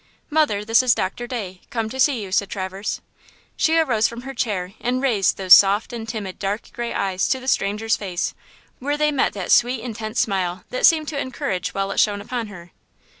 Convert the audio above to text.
"Mother, this is Doctor Day, come to see you," said Traverse. She arose from her chair and raised those soft and timid dark gray eyes to the stranger's face, where they met that sweet, intense smile that seemed to encourage while it shone upon her.